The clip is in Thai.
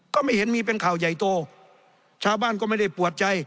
ก็ไม่เห็นมีเป็นข่าวใหญ่โตชาวบ้านก็ไม่ได้ปวดใจ